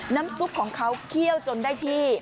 น้ำซุปของเขาเคี่ยวจนได้ที่